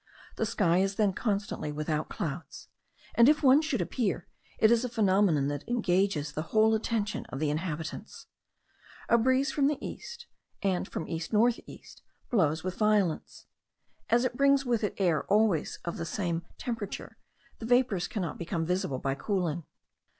The sky is then constantly without clouds; and if one should appear, it is a phenomenon that engages the whole attention of the inhabitants. A breeze from the east, and from east north east, blows with violence. As it brings with it air always of the same temperature, the vapours cannot become visible by cooling.